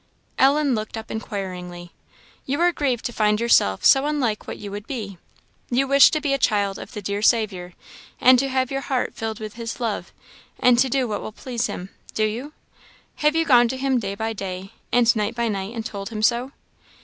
Ellen looked up inquiringly. "You are grieved to find yourself so unlike what you would be. You wish to be a child of the dear Saviour, and to have your heart filled with his love, and to do what will please him. Do you? Have you gone to him day by day, and night by night, and told him so?